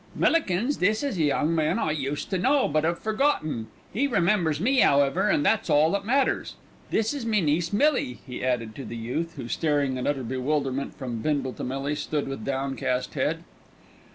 "Millikins, this is a young man I used to know, but 'ave forgotten. 'E remembers me, 'owever, and that's all that matters. This is me niece Millie," he added to the youth who, staring in utter bewilderment from Bindle to Millie, stood with downcast head.